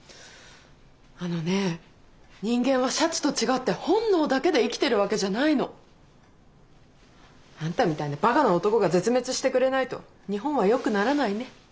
あのね人間はシャチと違って本能だけで生きてるわけじゃないの。あんたみたいなバカな男が絶滅してくれないと日本はよくならないね。